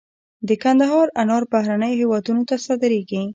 د کندهار انار بهرنیو هیوادونو ته صادریږي